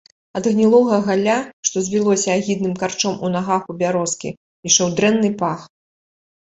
Ад гнілога галля, што звілося агідным карчом у нагах у бярозкі, ішоў дрэнны пах.